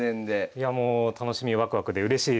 いやもう楽しみワクワクでうれしいです。